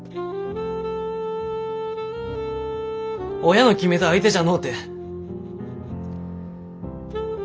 親の決めた相手じゃのうて。